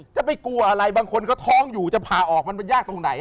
จะไปกลัวอะไรบางคนเขาท้องอยู่จะผ่าออกมันมันยากตรงไหน